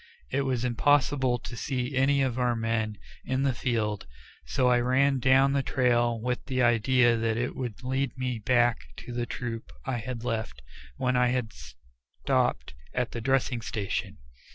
It was impossible to see any of our men in the field, so I ran down the trail with the idea that it would lead me back to the troop I had left when I had stopped at the dressing station.